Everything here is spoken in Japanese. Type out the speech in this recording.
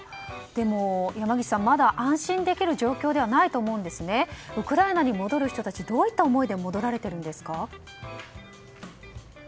でも山岸さんまだ安心できる状況ではないと思いますがウクライナに戻る人たちはどういった思いで戻られているんですか？